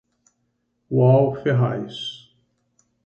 Wall Ferraz